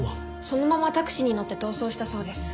そのままタクシーに乗って逃走したそうです。